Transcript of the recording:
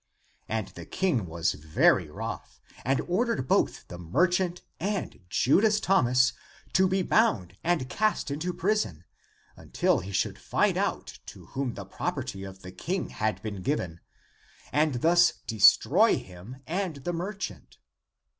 And the King was very wroth, and ordered both the merchant and Judas Thomas to be bound and cast into prison, until he should find out to whom the property of the King had been given, and thus destroy him and 242 THE APOCRYPHAL ACTS the merchant.